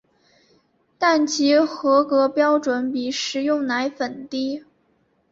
但其合格标准比食用奶粉低。